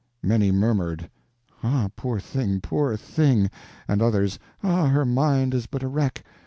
Many murmured, "Ah, poor thing, poor thing!" and others, "Ah, her mind is but a wreck!"